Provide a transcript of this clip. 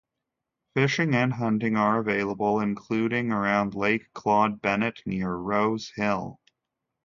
Fishing and hunting are available, including around Lake Claude Bennett near Rose Hill.